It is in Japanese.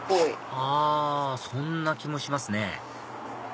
あそんな気もしますね